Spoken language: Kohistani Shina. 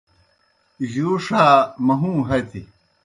جُوݜ ہا مہُوں ہتیْ